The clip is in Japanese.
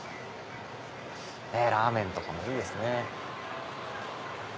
ラーメンとかもいいですね。